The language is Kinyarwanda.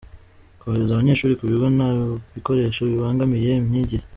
Kohereza abanyeshuri ku bigo nta bikoresho bibangamiye imyigire